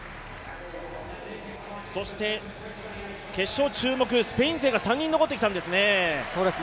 そして決勝注目、スペイン勢が３人残ってきたんですね。